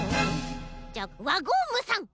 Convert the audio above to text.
じゃあワゴームさん